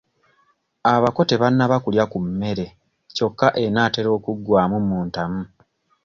Abako tebannaba kulya ku mmere kyokka enaatera okuggwamu mu ntamu.